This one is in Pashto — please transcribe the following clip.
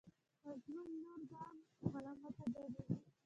مظلوم نور ځان ملامت ګڼي.